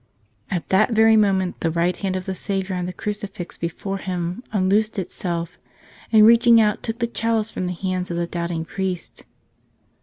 At that very moment the right hand of the Savior on the crucifix before him unloosed itself and reaching out took the chalice from the hands of the doubting priest.